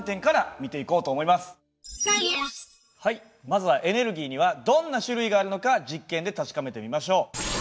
まずはエネルギーにはどんな種類があるのか実験で確かめてみましょう。